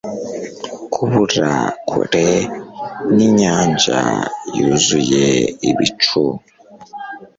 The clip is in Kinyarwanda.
Kubura kure nkinyanja yuzuye ibicu